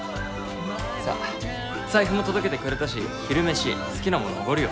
さっ財布も届けてくれたし昼飯好きなものおごるよ。